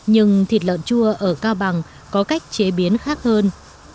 nhưng thịt lợn chua ở cao bằng có cách chế biến khác hơn